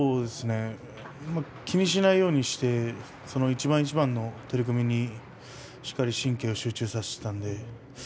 気にしないようにして一番一番の相撲に神経を集中させていました。